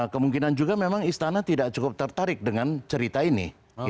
kemungkinan juga memang istana tidak cukup tertarik dengan cerita ini